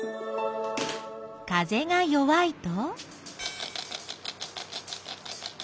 風が弱いと？